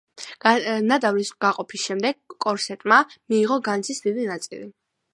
ნადავლის გაყოფის შემდეგ კორტესმა მიიღო განძის დიდი ნაწილი.